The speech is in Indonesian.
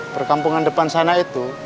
perkampungan depan sana itu